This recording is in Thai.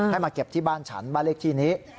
ให้มาเก็บที่บ้านฉันบ้านเลขที่นี้